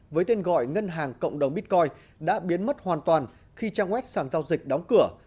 với tên gọi ngân hàng cộng đồng bitcoin đã biến mất hoàn toàn khi trang web sản giao dịch đóng cửa